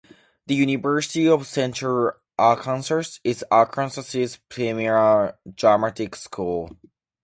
The University of Central Arkansas is Arkansas's premiere dramatic school.